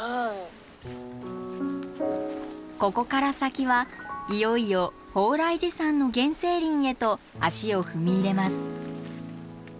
ここから先はいよいよ鳳来寺山の原生林へと足を踏み入れます。